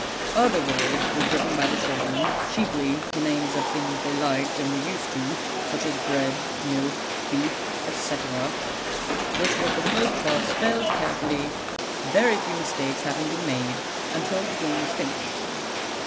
Other words were given by the children, chiefly the names of things they liked and were used to, such as bread, milk, beef, etc., which were for the most part spelled carefully, very few mistakes having been made, until the game was finished.